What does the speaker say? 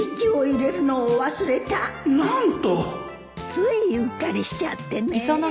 ついうっかりしちゃってねえ。